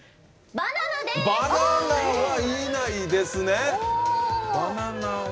バナナはいないですね。